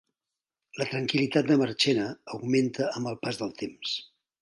La tranquil·litat de Marchena augmenta amb el pas del temps